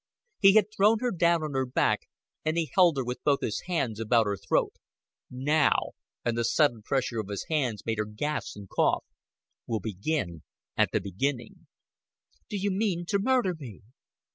He had thrown her down on her back, and he held her with both his hands about her throat. "Now" and the sudden pressure of his hands made her gasp and cough "we'll begin at the beginning." "Do you mean to murder me?"